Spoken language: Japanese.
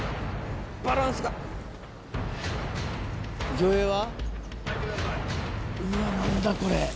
魚影は？